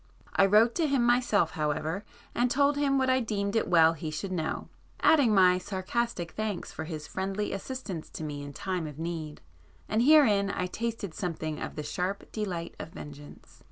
I wrote to him myself however and told him what I deemed it well he should know, adding my sarcastic thanks for his friendly assistance to me in time of need,—and herein I tasted something of the sharp delight of vengeance.